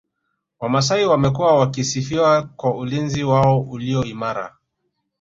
Wamasai wamekuwa wakisifiwa kwa ulinzi wao ulio imara